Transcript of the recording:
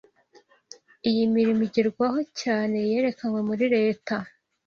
Iyi mirimo igerwaho cyane yerekanwe muri leta